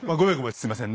すいません。